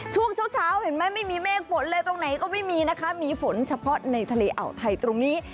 ช่วงเช้าเห็นไหมไม่มีเมฆฝนเลยตรงไหนก็ไม่มีนะคะมีฝนเฉพาะในทะเลอ่าวไทยตรงนี้